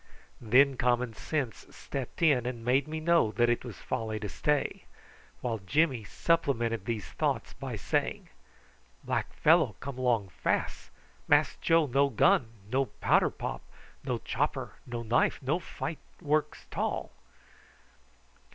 Then common sense stepped in and made me know that it was folly to stay, while Jimmy supplemented these thoughts by saying: "Black fellow come along fas. Mass Joe no gun, no powder pop, no chopper, no knife, no fight works 'tall."